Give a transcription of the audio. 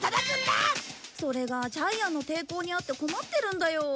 それがジャイアンの抵抗にあって困ってるんだよ。